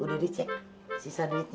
udah dicek sisa duitnya